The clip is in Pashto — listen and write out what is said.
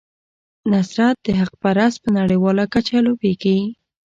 نصرت حقپرست په نړیواله کچه لوبیږي.